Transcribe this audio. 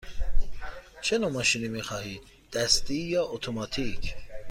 چه نوع ماشینی می خواهید – دستی یا اتوماتیک؟